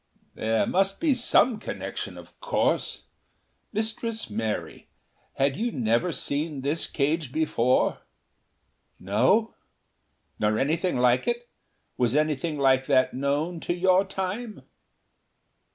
"There must be some connection, of course.... Mistress Mary, had you never seen this cage before?" "No." "Nor anything like it? Was anything like that known to your Time?"